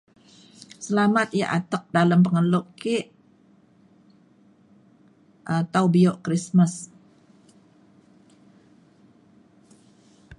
Selamat yak atek dalem pengelo ke um tau bio Krismas.